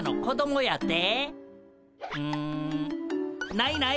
ないない。